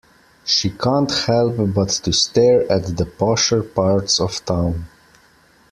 She can't help but to stare at the posher parts of town.